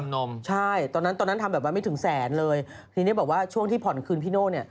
นมใช่ตอนนั้นตอนนั้นทำแบบว่าไม่ถึงแสนเลยทีนี้บอกว่าช่วงที่ผ่อนคืนพี่โน่เนี่ย